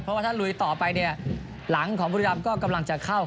เพราะว่าถ้าลุยต่อไปหลังของบุรีรำก็จะเข้าร่วม